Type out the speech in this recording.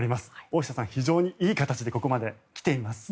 大下さん、非常にいい形でここまで来ています。